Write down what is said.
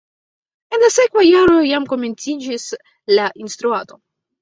En la sekva jaro jam komenciĝis la instruado.